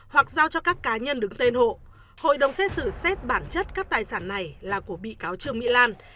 hoặc giao cho các cá nhân đứng tên hộ hội đồng xét xử xét bản chất các tài sản này là của bị cáo trương mỹ lan